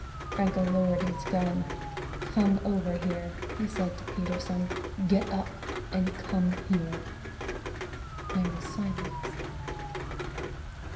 Franco lowered his gun. "Come over here," he said to Peterson. "Get up and come here." There was silence.